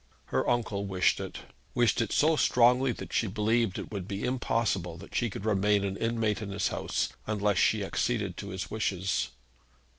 Her uncle wished it, wished it so strongly that she believed it would be impossible that she could remain an inmate in his house, unless she acceded to his wishes.